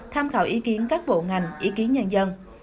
tham khảo ý kiến các bộ ngành ý kiến nhân dân